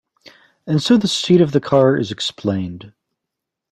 And so the state of the car is explained.